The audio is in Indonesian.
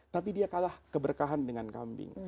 tapi dia kalah keberkahan dengan kambing